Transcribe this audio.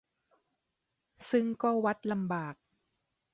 ซึ่งก็วัดลำบาก